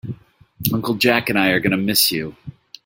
Uncle Jack and I are going to miss you.